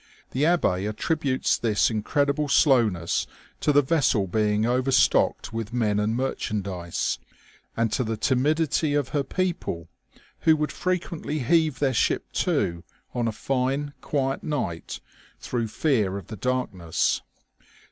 The Abbe attributes this incredible slowness to the vessel being overstocked with men and merchandise, and to the timidity of her people, who would frequently heave their ship to on a fine, quiet night, through fear of the darkness.